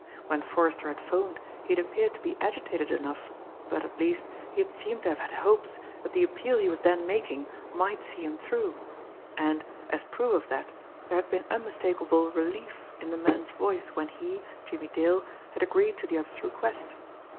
When Forrester had 'phoned he had appeared to be agitated enough, but, at least, he had seemed to have had hopes that the appeal he was then making might see him through, and, as proof of that, there had been unmistakable relief in the man's voice when he, Jimmie Dale, had agreed to the other's request.